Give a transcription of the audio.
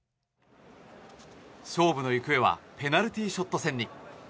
勝負の行方はペナルティーショット戦に。